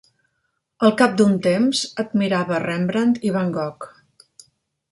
Al cap d'un temps admirava Rembrandt i Van Gogh.